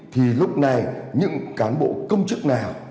thì lúc này những cán bộ công chức nào